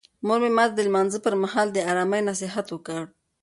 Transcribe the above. مور مې ماته د لمانځه پر مهال د آرامۍ نصیحت وکړ.